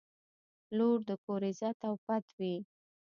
• لور د کور عزت او پت وي.